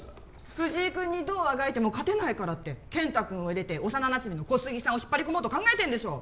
藤井君にどうあがいても勝てないからって健太君を入れて幼なじみの小杉さんを引っ張り込もうと考えてんでしょ